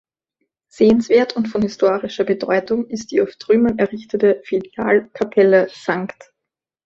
Sehenswert und von historischer Bedeutung ist die auf Trümmern errichtete Filialkapelle „St.